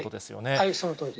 はい、そのとおりです。